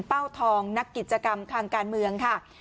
เป้าทองนักกิจกรรมทางการเมืองค่ะ